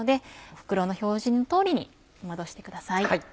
袋の表示通りに戻してください。